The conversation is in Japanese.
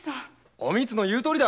おみつの言うとおりだ。